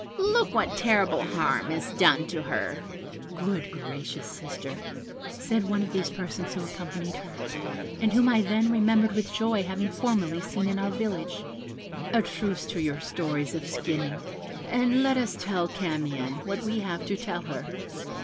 Look what terrible harm is done to her!' 'Good gracious, sister,' said one of these persons who accompanied her, and whom I then remembered with joy having formerly seen in our village; 'a truce to your stories of skinning, and let us tell Camion what we have to tell her.'